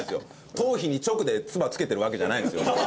頭皮に直でつば付けてるわけじゃないんですよ。